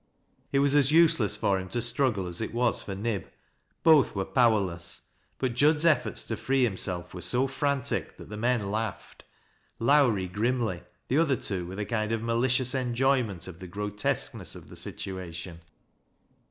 It was as useless for him to struggle as it was for Nib. Both were powerless. But Jud's efforts to free himself were so frantic that the men laughed, — Lowrie grimly, the other two with a kind of malicious enjoyment of the grotesqueness of the situation.